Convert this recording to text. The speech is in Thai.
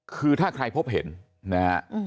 คือถ้าใครพบเห็นนะฮะ